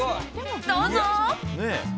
どうぞ！